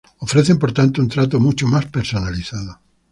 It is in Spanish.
Ofrecen, por tanto, un trato mucho más personalizado.